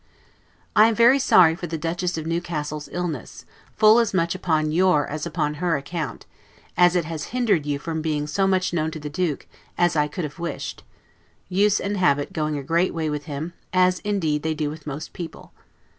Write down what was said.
I am very sorry for the Duchess of Newcastle's illness, full as much upon your as upon her account, as it has hindered you from being so much known to the Duke as I could have wished; use and habit going a great way with him, as indeed they do with most people.